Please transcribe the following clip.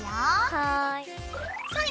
はい。